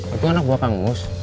itu anak buah kang mus